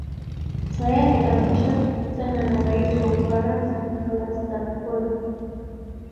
tayari ameshakutana na rais wa ufaransa nicholas sarkozy